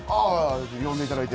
呼んでいただいて。